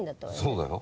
そうだよ。